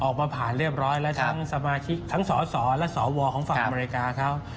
ออกมาผ่านเรียบร้อยแล้วทั้งสมาชิกทั้งสสและสวของฝั่งอเมริกาเขา